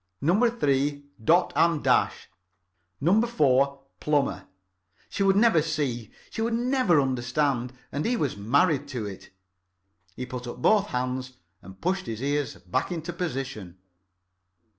Number Three, Dot and Dash. Number Four, Plumber. She would never see. She would never understand. And he was married to it. He put up both hands and pushed his ears back into position.